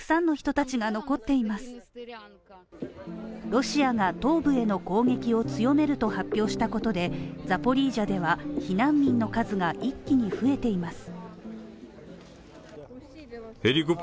ロシアが東部への攻撃を強めると発表したことで、ザポリージャでは避難民の数が一気に増えています。